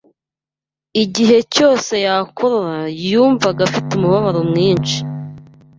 Igihe cyose yakorora, yumvaga afite umubabaro mwinshi.